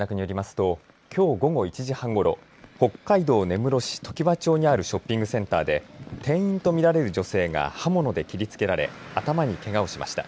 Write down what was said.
ときょう午後１時半ごろ、北海道根室市常盤町にあるショッピングセンターで店員と見られる女性が刃物で切りつけられ頭にけがをしました。